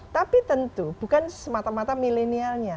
tapi tentu bukan semata mata milenialnya